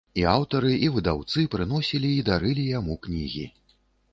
А аўтары і выдаўцы прыносілі і дарылі яму кнігі.